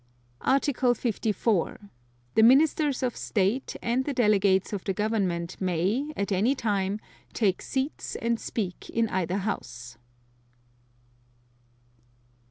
Article 54. The Ministers of State and the Delegates of the Government may, at any time, take seats and speak in either House.